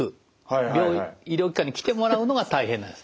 病院医療機関に来てもらうのが大変なんです。